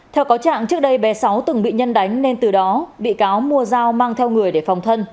theo cáo trạng trước đây bé sáu từng bị nhân đánh nên từ đó bị cáo mua giao mang theo người để phòng thân